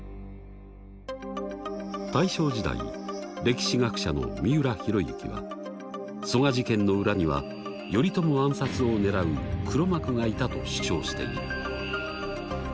大正時代歴史学者の三浦周行は曽我事件の裏には頼朝暗殺を狙う黒幕がいたと主張している。